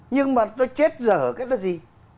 nhưng mà nó chết dở cái đó gì